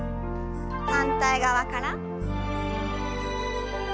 反対側から。